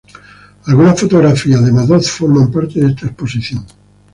Algunas fotografías de Madoz forman parte de esta exposición.